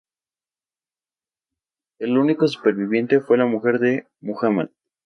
El único superviviente fue la mujer de Muhammad.